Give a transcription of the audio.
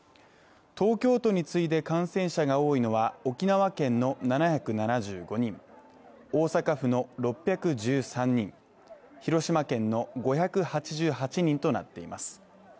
東京都に次いで感染者が多いのは沖縄県の７７５人、大阪府の６１３人、広島県の５８８人となっています。